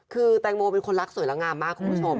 คือแตงโมเป็นคนรักสวยแล้วงามมากคุณผู้ชม